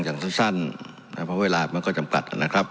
อย่างสั้นนะครับเพราะเวลามันก็จำกัดนะครับ